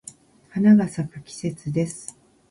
花が咲く季節です。